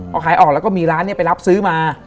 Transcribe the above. พอขายออกแล้วก็มีร้านไปรับซื้อมา